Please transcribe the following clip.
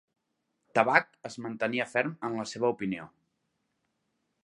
Tabac es mantenia ferm en la seva opinió.